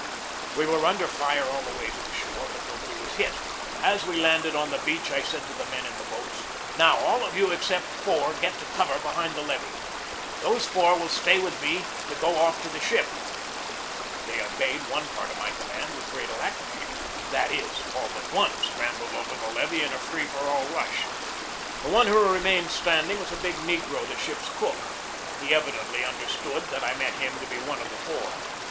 We were under fire all the way to the shore, but nobody was hit. As we landed on the beach I said to the men in the boats: "Now, all of you except four get to cover behind the levee. Those four will stay with me to go off to the ship." They obeyed one part of my command with great alacrity. That is, all but one scrambled over the levee in a free for all rush. The one who re mained standing was a big negro, the ship's cook. He evidently understood that I meant him to be one of the four.